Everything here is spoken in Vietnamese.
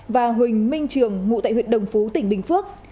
và huỳnh minh trường ngụ tại huyện đồng phú tỉnh bình phước